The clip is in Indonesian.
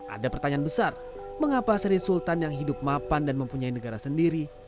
ada pertanyaan besar mengapa sri sultan yang hidup mapan dan mempunyai negara sendiri